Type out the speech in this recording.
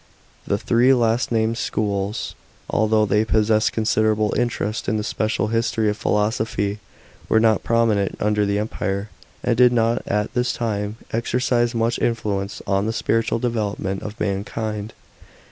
The three last named schools, although they possess considerable interest in the special history of philosophy, were not prominent under the Empire, and did not at this time exercise much influence on the spiritual development of mankind.